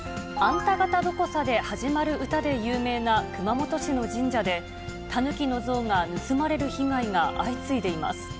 あんたがたどこさで始まる歌で有名な熊本市の神社で、タヌキの像が盗まれる被害が相次いでいます。